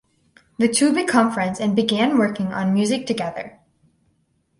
The two become friends and began working on music together.